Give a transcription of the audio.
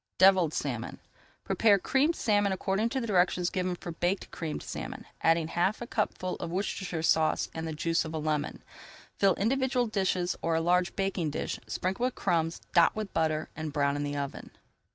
DEVILLED SALMON Prepare Creamed Salmon according to directions given for Baked Creamed Salmon, adding half a cupful of Worcestershire Sauce and the juice of a lemon. Fill individual dishes or a large baking dish, sprinkle with crumbs, dot with butter, and brown in the oven.